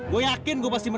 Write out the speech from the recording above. tidak ada upaya ba